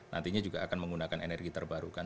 nantinya juga akan menggunakan energi terbarukan